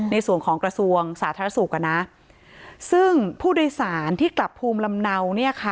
ในส่วนของกระทรวงสาธารสุขนะซึ่งผู้โดยสารที่กลับภูมิลำเนา